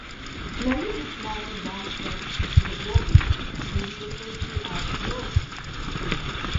Many of the smaller, long-tailed species of lories may be referred to as "lorikeets".